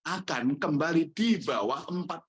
akan kembali di bawah